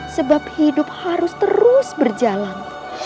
sebab hidup harus terus berjalan